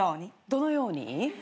どのように？